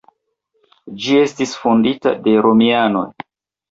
Ĝi estis fondita de romianoj.